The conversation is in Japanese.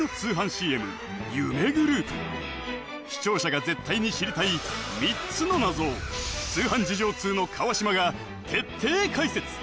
ＣＭ夢グループ視聴者が絶対に知りたい３つの謎を通販事情通の川島が徹底解説